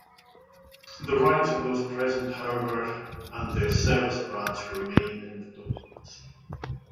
The ranks of those present, however, and their service branch remain in the documents.